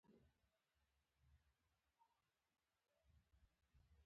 د چین ښاپېرۍ دي که څنګه.